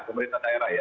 pemerintah daerah ya